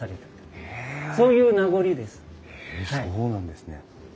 へえそうなんですね。